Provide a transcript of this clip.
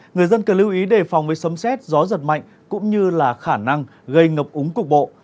người dân cần lưu ý đề phòng với sấm xét gió giật mạnh cũng như là khả năng gây ngập úng cục bộ